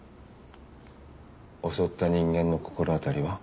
襲った人間の心当たりは？